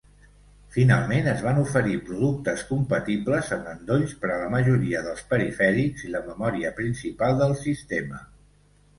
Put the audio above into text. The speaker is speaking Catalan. Finalment, es van oferir productes compatibles amb endolls per a la majoria dels perifèrics i la memòria principal del sistema.